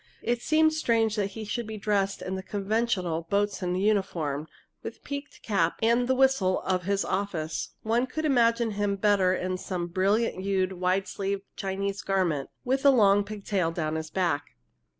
It seemed strange that he should be dressed in the conventional boatswain's uniform, with peaked cap and the whistle of his office. One could imagine him better in some brilliant hued, wide sleeved Chinese garment, with a long pig tail down his back.